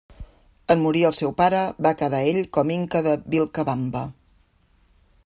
En morir el seu pare, va quedar el com Inca de Vilcabamba.